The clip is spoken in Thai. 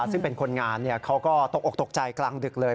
ซึ่งเป็นคนงานเขาก็ตกออกตกใจกลางดึกเลย